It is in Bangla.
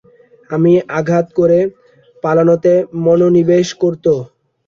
আমি আঘাত করে পালানোতে মনোনিবেশ করব।